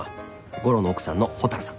悟郎の奥さんの蛍さん。